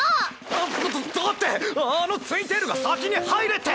あっだだだってあのツインテールが先に入れって！